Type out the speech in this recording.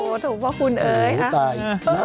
โอ้โฮถูกว่าคุณเอ๋ยค่ะ